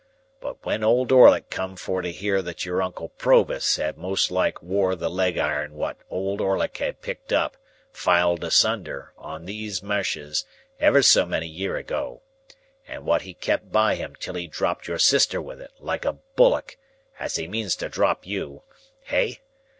But when Old Orlick come for to hear that your uncle Provis had most like wore the leg iron wot Old Orlick had picked up, filed asunder, on these meshes ever so many year ago, and wot he kep by him till he dropped your sister with it, like a bullock, as he means to drop you—hey?